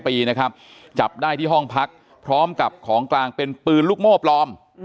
ปีนะครับจับได้ที่ห้องพักพร้อมกับของกลางเป็นปืนลูกโม่ปลอม